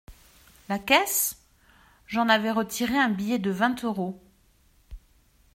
La caisse ? J’en avais retiré un billet de vingt euros.